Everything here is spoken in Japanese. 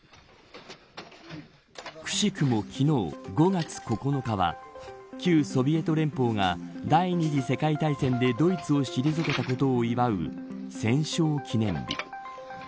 くしくも昨日、５月９日は旧ソビエト連邦が第二次世界大戦でドイツを退けたことを祝う戦勝記念日。